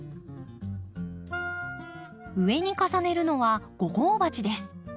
上に重ねるのは５号鉢です。